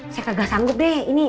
saya kagak sanggup deh ini